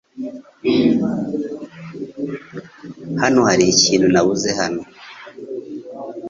Hano hari ikintu nabuze hano?